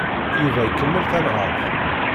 Yuba ikemmel tanhaṛt.